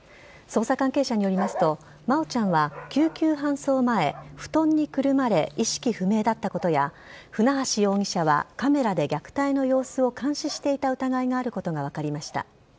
捜査関係者によりますと真愛ちゃんは、救急搬送前布団にくるまれ意識不明だったことや船橋容疑者はカメラで虐待の様子を監視していた疑いがあることが分かりました。